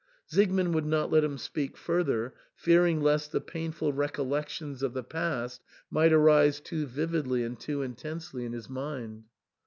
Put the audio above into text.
Siegmund would not let him speak further, fearing lest the painful recollections of the past might arise too vividly and too intensely in his mind.